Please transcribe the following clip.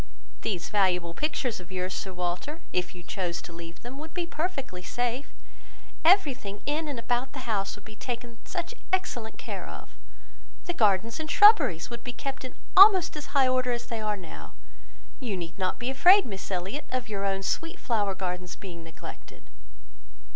These valuable pictures of yours, Sir Walter, if you chose to leave them, would be perfectly safe. Everything in and about the house would be taken such excellent care of! The gardens and shrubberies would be kept in almost as high order as they are now. You need not be afraid, Miss Elliot, of your own sweet flower gardens being neglected."